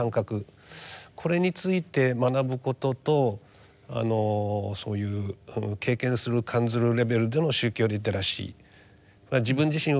これについて学ぶこととそういう経験する感ずるレベルでの宗教リテラシーは自分自身を振り返り